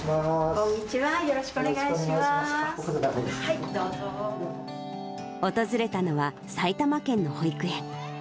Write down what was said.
こんにちは、よろしくお願い訪れたのは、埼玉県の保育園。